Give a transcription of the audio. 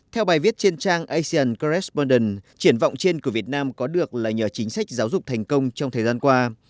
theo bài viết trên trang asia correspondent triển vọng trên của việt nam có được là nhờ chính sách giáo dục thành công trong thời gian qua